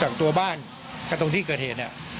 เพราะที่ยังมีกระโหลกศีรษะด้วย